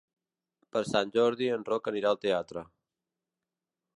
Per Sant Jordi en Roc anirà al teatre.